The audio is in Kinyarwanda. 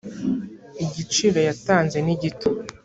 igiciro yatanze nigito.